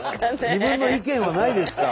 自分の意見はないですか？